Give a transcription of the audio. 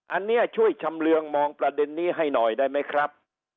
อันนี้ช่วยชำเรืองมองประเด็นนี้ให้หน่อยได้ไหมครับ